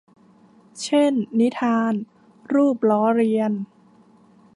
เช่น นิทาน รูปล้อเลียน